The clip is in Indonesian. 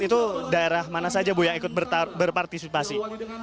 itu daerah mana saja bu yang ikut berpartisipasi